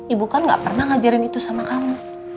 ibu kan gak pernah ngajarin itu sama kamu